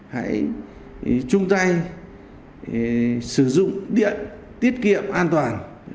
hãy chung tay sử dụng điện tiết kiệm an toàn